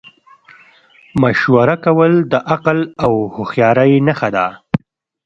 مشوره کول د عقل او هوښیارۍ نښه ده.